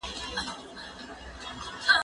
که وخت وي، بوټونه پاکوم،